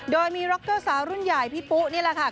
โดยมีร็อกเกอร์สาวรุ่นใหญ่พี่ปุ๊นี่แหละค่ะ